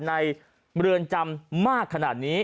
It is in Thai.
ในเรือนจำมากขนาดนี้